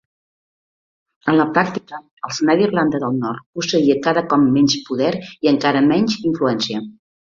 En la pràctica, el Senar d'Irlanda del Nord posseïa cada cop menys poder i encara menys influència.